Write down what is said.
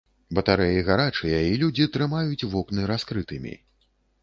Батарэі гарачыя і людзі трымаюць вокны раскрытымі.